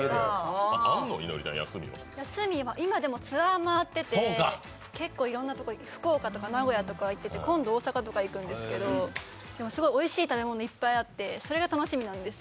休みは、今ツアー回ってて結構いろんなところ、福岡とか名古屋とか行ってて、今度大阪とか行くんですけどでもすごいおいしい食べ物がいっぱいあってそれが楽しみなんですよ。